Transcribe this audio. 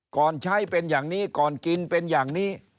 ก่อนใช้เป็นอย่างนี้ก่อนกินเป็นอย่างนี้